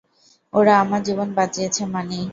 ওরা আমার জীবন বাঁচিয়েছে, ম্যানি।